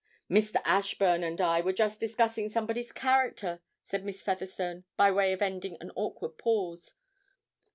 'Mr. Ashburn and I were just discussing somebody's character,' said Miss Featherstone, by way of ending an awkward pause.